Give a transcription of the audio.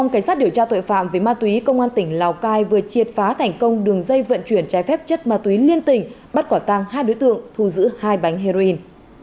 cảnh sát điều tra công an tp hcm với ma túy công an tỉnh lào cai vừa triệt phá thành công đường dây vận chuyển trái phép chất ma túy liên tỉnh bắt quả tang hai đối tượng thu giữ hai bánh heroin